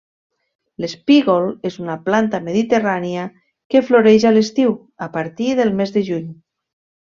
L'espígol és una planta mediterrània que floreix a l'estiu, a partir del mes de juny.